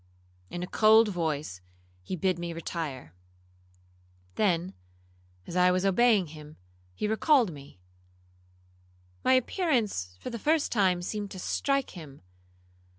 In a cold voice he bid me retire; then, as I was obeying him, he recalled me,—my appearance for the first time seemed to strike him.